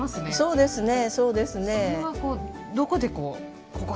そうですね。